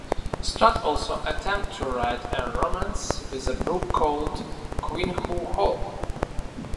Strutt also attempted to write a romance with a book called "Queenhoo Hall".